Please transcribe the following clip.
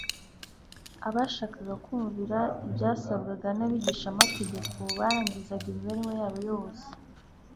Abashakaga kumvira ibyasabwaga n'abigishamategeko barangizaga imibereho yabo yose